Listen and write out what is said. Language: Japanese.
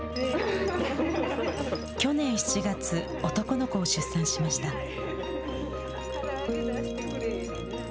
去年７月、男の子を出産しました。